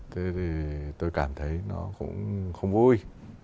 thế thì tôi cảm thấy nó cũng không vui